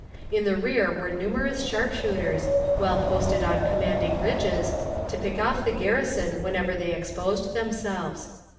In the rear were numerous sharpshooters, well posted on commanding ridges, to pick off the garrison whenever they exposed themselves.